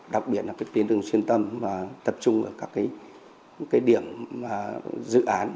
đặc biệt là các tuyến đường xuyên tâm mà tập trung ở các điểm dự án